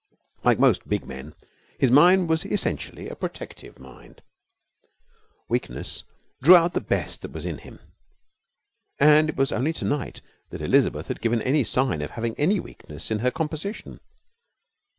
Like most big men, his mind was essentially a protective mind; weakness drew out the best that was in him. And it was only to night that Elizabeth had given any sign of having any weakness in her composition.